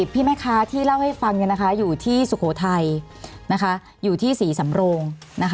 พี่แม่ค้าที่เล่าให้ฟังอยู่ที่สุโขทัยอยู่ที่ศรีสำโรง